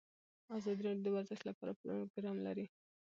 ازادي راډیو د ورزش لپاره د مرستو پروګرامونه معرفي کړي.